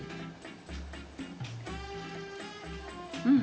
うん！